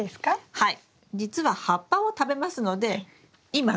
はい。